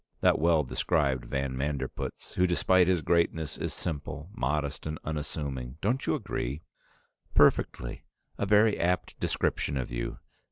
That well described van Manderpootz, who despite his greatness is simple, modest, and unassuming. Don't you agree?" "Perfectly! A very apt description of you.